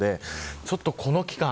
ちょっとこの期間